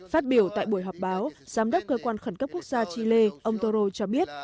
phát biểu tại buổi họp báo giám đốc cơ quan khẩn cấp quốc gia chile ông toro cho biết